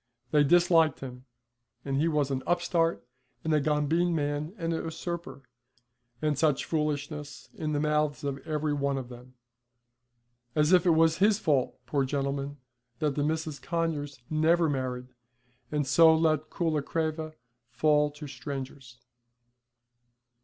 They disliked him, and he was an upstart and a gombeen man and a usurper, and such foolishness, in the mouths of every one of them. As if it was his fault, poor gentleman, that the Misses Conyers never married, and so let Coolacreva fall to strangers.